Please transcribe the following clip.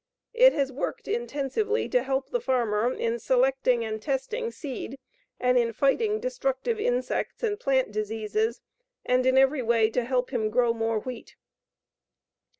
It has worked intensively to help the farmer in selecting and testing seed and in fighting destructive insects and plant diseases, and in every way to help him grow more wheat.